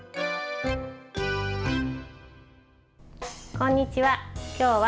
こんにちは。